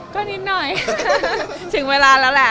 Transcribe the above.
ก็นิดหน่อยถึงเวลาแล้วแหละ